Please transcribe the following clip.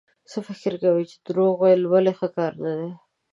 څه فکر کوئ چې دروغ ويل ولې ښه کار نه دی؟